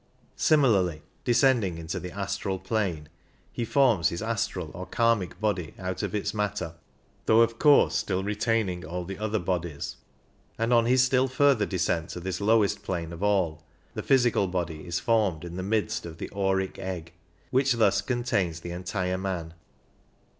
Similarly, descending into the astral plane he forms his astral or kimic body out of its matter, though of course still retaining all the other bodies, and on his still further descent to this lowest plane of all the physical body is formed in the midst of the auric egg, which thus contains the entire man.